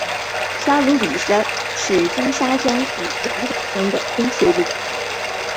沙鲁里山是金沙江与雅砻江的分水岭。